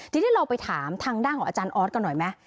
ทีนี้เราไปถามทางด้านของอาจารย์ออสกันหน่อยไหม